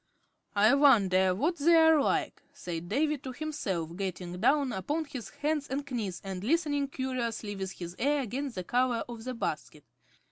"I wonder what they're like," said Davy to himself, getting down upon his hands and knees and listening curiously with his ear against the cover of the basket.